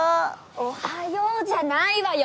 おはようじゃないわよ！